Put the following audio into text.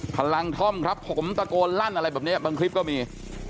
พลังท่อมครับผมตะโกนลั่นอะไรแบบนี้บางคลิปก็มี